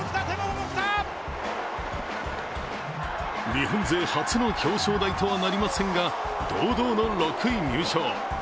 日本勢初の表彰台とはなりませんが堂々の６位入賞。